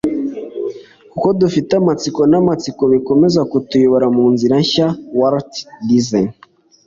kuko dufite amatsiko n'amatsiko bikomeza kutuyobora mu nzira nshya - walt disney